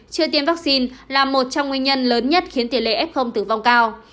chưa tiêm vaccine là một trong nguyên nhân lớn nhất khiến tỷ lệ f tử vong cao